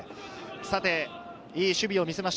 いい守備を見せました